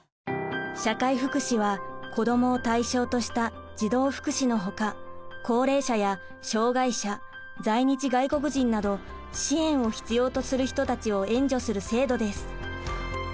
社会福祉は子どもを対象とした児童福祉のほか高齢者や障がい者在日外国人など支援を必要とする人たちを援助する制度です。